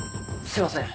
すいません。